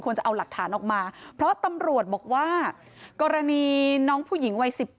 จะเอาหลักฐานออกมาเพราะตำรวจบอกว่ากรณีน้องผู้หญิงวัย๑๘